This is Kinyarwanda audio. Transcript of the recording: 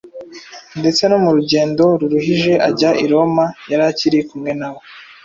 ndetse no mu rugendo ruruhije ajya i Roma, yari akiri kumwe nawe.